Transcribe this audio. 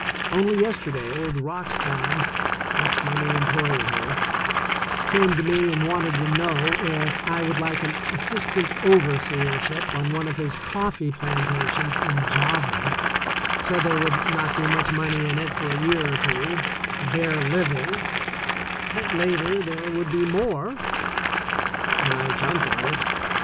Only yesterday, old Roxbaum — that's my new employer here — came to me and wanted to know if I would like an assistant overseership on one of his coffee plantations in Java, said there would not be much money in it for a year or two, a bare living, but later there would be more — and I jumped at it.